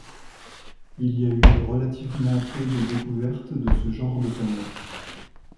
Il y a eu relativement peu de découvertes de ce genre de planètes.